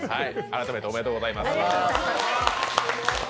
改めておめでとうございます。